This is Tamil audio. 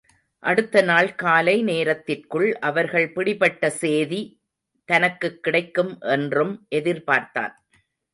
அடுத்த நாள் காலை நேரத்திற்குள் அவர்கள் பிடிபட்ட சேதி தனக்குக் கிடைக்கும் என்றும் எதிர்பார்த்தான்.